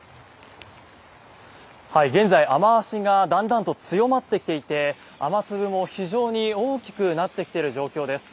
現在、雨脚がだんだんと強まってきていて雨粒も非常に大きくなってきている状況です。